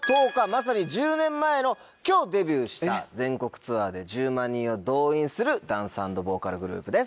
まさに１０年前の今日デビューした全国ツアーで１０万人を動員するダンス＆ボーカルグループです。